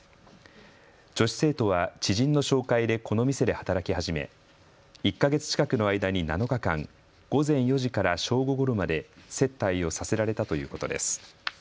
女子生徒は知人の紹介でこの店で働き始め１か月近くの間に７日間、午前４時から正午ごろまで接待をさせられたということです。